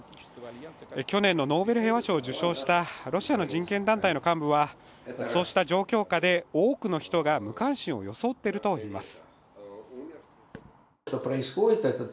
去年のノーベル平和賞を受賞したロシアの人権団体の幹部はそうした状況下で多くの人が無関心を装ってると思います。